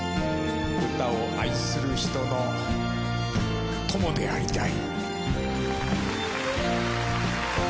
歌を愛する人の友でありたい。